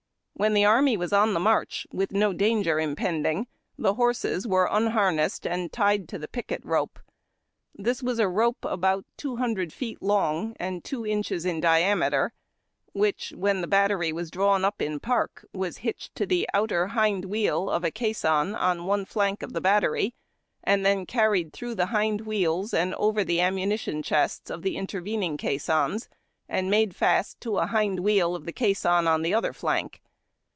When the army was on the march, with no danger impending, the horses were unhar nessed and tied to the picket ro})e. This was a rope about two hundred feet long and two inches in diameter, which, when the battery was drawn up in park, was hitched to the outer hind wheel of a caisson on one flank of the battery, and then carried through the hind wheels and over the ammunition chests of the intervening caissons and made fast to a hind wheel of the caisson on the other flank.